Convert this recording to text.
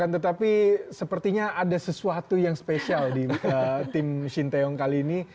tetapi sepertinya ada sesuatu yang spesial di tim shin taeyong kali ini